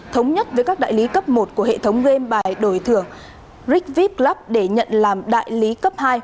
thống nhất với các đại lý cấp một của hệ thống game bài đổi thưởng rigviplub để nhận làm đại lý cấp hai